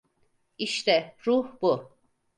İşte ruh bu.